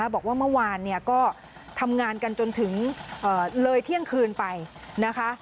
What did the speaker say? บอกว่าเมื่อวานก็ทำงานกันจนถึงเลยเที่ยงคืนไปนะคะ